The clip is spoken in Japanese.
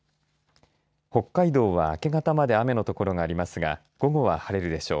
北海道は、明け方まで雨の所がありますが午後は晴れるでしょう。